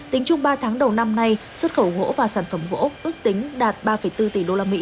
tính chung ba tháng đầu năm nay xuất khẩu gỗ và sản phẩm gỗ ước tính đạt ba bốn tỷ usd